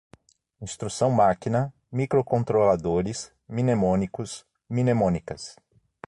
instrução-máquina, microcontroladores, mnemônicos, mnemônicas